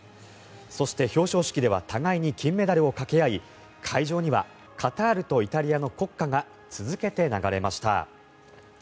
そして、表彰式では互いに金メダルをかけ合い会場にはカタールとイタリアの国歌が続けて流れました。